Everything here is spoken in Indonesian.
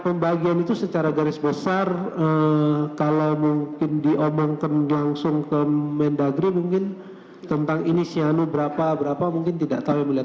oh pembagian itu secara garis besar kalau mungkin diomongkan langsung ke kemendagri mungkin tentang ini sianu berapa berapa mungkin tidak tahu yang mulia